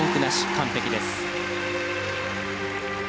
完璧です。